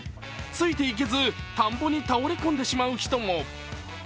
ついていけず、田んぼに倒れ込んでしまう人も。